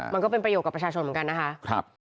มันก็เป็นประโยชนกับประชาชนเหมือนกันนะคะ